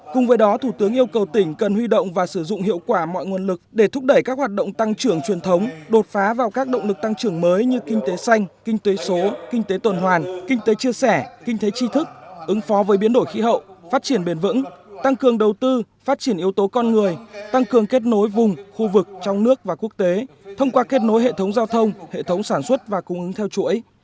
cùng với đó thủ tướng yêu cầu tỉnh cần huy động và sử dụng hiệu quả mọi nguồn lực để thúc đẩy các hoạt động tăng trưởng truyền thống đột phá vào các động lực tăng trưởng mới như kinh tế xanh kinh tế số kinh tế tuần hoàn kinh tế chia sẻ kinh tế tri thức ứng phó với biến đổi khí hậu phát triển bền vững tăng cường đầu tư phát triển yếu tố con người tăng cường kết nối vùng khu vực trong nước và quốc tế thông qua kết nối hệ thống giao thông hệ thống sản xuất và cung ứng theo chuỗi